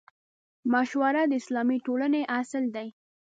مشوره د اسلامي ټولنې اصل دی.